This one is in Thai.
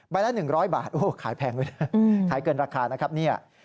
ละ๑๐๐บาทโอ้ขายแพงด้วยนะขายเกินราคานะครับเนี่ย